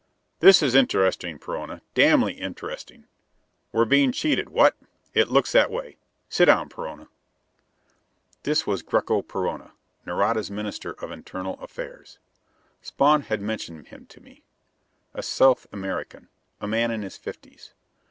"This is interesting, Perona. Damnably interesting. We're being cheated, what? It looks that way. Sit down, Perona." This was Greko Perona. Nareda's Minister of Internal Affairs. Spawn had mentioned him to me. A South American. A man in his fifties.